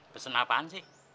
pesen apaan sih